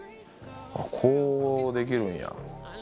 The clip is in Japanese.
あっこうできるんや。